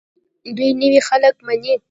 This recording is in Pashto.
دوی نوي خلک مني.